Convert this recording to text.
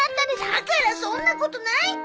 だからそんなことないって！